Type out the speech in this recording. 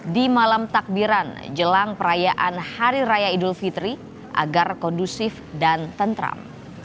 di malam takbiran jelang perayaan hari raya idul fitri agar kondusif dan tentram